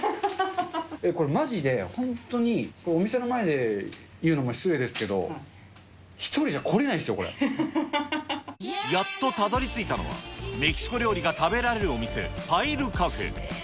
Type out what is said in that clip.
これ、まじで本当に、お店の前で言うのも失礼ですけど、やっとたどりついたのは、メキシコ料理が食べられるお店、パイルカフェ。